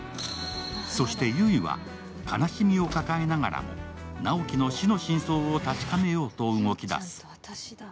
そして悠依は悲しみを抱えながら、直木の死の真相を確かめようと動き出す。